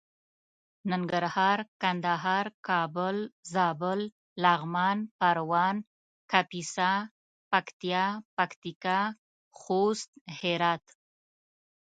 ننګرهار کندهار کابل زابل لغمان پروان کاپيسا پکتيا پکتيکا خوست هرات